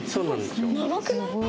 長くない？